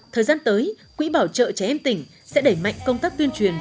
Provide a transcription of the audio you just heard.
thời gian tới quỹ bảo trợ trẻ em tỉnh sẽ đẩy mạnh công tác tuyên truyền